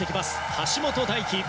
橋本大輝。